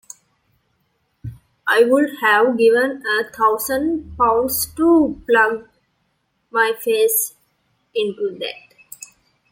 I would have given a thousand pounds to plunge my face into that.